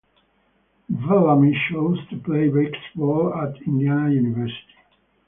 Bellamy chose to play basketball at Indiana University.